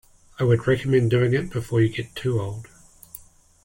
I would recommend doing it before you get too old.